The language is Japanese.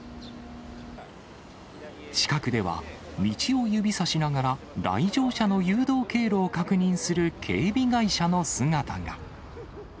近くでは、道を指さしながら来場者の誘導経路を確認する警備会社の姿が。